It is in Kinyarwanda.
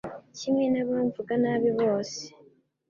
kimwe n’abamvuga nabi bose